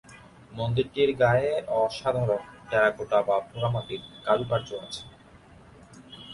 মন্দিরটির গায়ে অসাধারণ টেরাকোটা বা পোড়ামাটির কারুকার্য আছে।